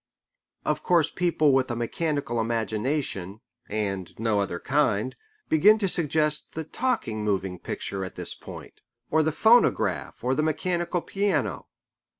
Of course people with a mechanical imagination, and no other kind, begin to suggest the talking moving picture at this point, or the phonograph or the mechanical piano.